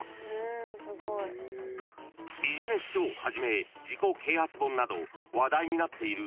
［ビジネス書をはじめ自己啓発本など話題になっている